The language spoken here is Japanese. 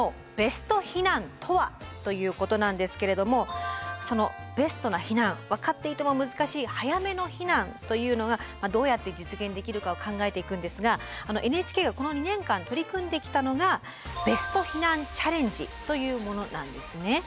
ということなんですけれどもそのベストな避難分かっていても難しい早めの避難というのがどうやって実現できるかを考えていくんですがＮＨＫがこの２年間取り組んできたのがベスト避難チャレンジというものなんですね。